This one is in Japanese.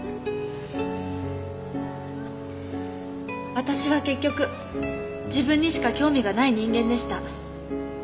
私は結局自分にしか興味がない人間でした。